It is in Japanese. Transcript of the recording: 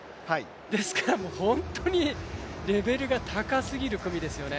ですから本当にレベルが高すぎる組ですよね。